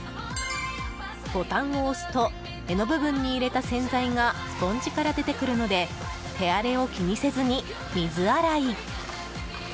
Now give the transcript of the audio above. ボタンを押すと柄の部分に入れた洗剤がスポンジから出てくるので手荒れを気にせずに、水洗い！